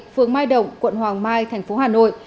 phường mai động quận hoàng mai thành phố hà nội